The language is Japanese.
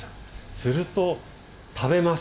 すると食べます。